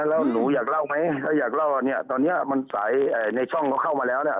แล้วหนูอยากเล่าไหมถ้าอยากเล่าเนี่ยตอนเนี้ยมันสายในช่องเขาเข้ามาแล้วเนี่ย